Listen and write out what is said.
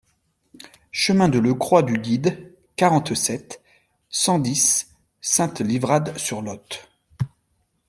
Chemin de le Croix du Guide, quarante-sept, cent dix Sainte-Livrade-sur-Lot